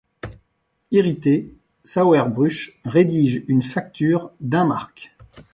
Irrité, Sauerbruch rédige une facture d'un mark.